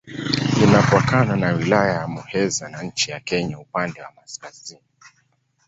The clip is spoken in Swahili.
Inapakana na Wilaya ya Muheza na nchi ya Kenya upande wa kaskazini.